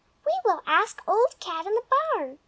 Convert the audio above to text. "We will ask Old Cat in the Barn.